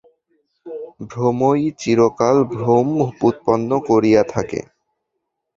ভ্রমই চিরকাল ভ্রম উৎপন্ন করিয়া থাকে।